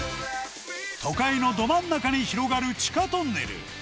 都会のど真ん中に広がる地下トンネル。